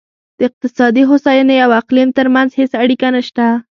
د اقتصادي هوساینې او اقلیم ترمنځ هېڅ اړیکه نشته.